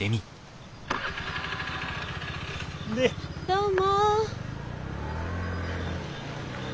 どうも。